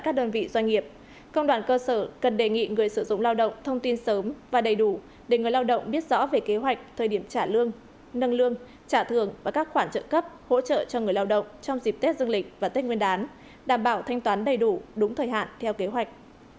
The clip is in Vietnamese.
các cấp công đoàn tập trung thực hiện hỗ trợ người lao động bị giảm thời gian làm việc